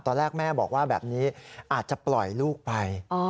ตอนแรกแม่บอกว่าแบบนี้อาจจะปล่อยลูกไป